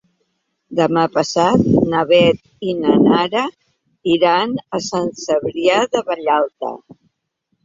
Demà passat na Beth i na Nara iran a Sant Cebrià de Vallalta.